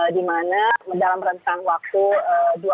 di mana dalam rentang waktu